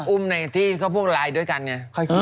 อุ้มในที่เขาพ่วงไลน์ด้วยกันไง